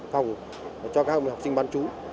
phòng cho các em học sinh bán trú